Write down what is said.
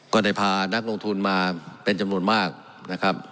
ก็ได้พานักลงทุนมาเป็นจำนวนมากนะครับ